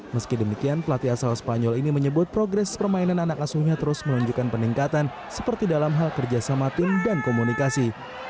meski demikian pelatih asal spanyol ini menyebut progres permainan anak asuhnya terus menunjukkan peningkatan seperti dalam hal kerjasama tim dan komunikasi